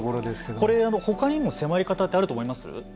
これほかにも迫り方ってあると思いますか。